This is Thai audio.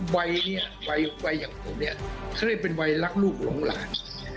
วัยอย่างผมนี่ข้าได้เป็นวัยรักลูกหลงหลาน